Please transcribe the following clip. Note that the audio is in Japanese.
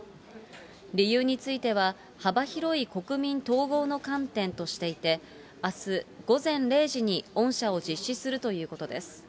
理由については、幅広い国民統合の観点としていて、あす午前０時に恩赦を実施するということです。